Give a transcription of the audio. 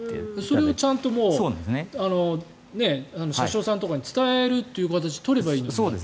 それをちゃんと車掌さんとかに伝える形を取ればいいのに。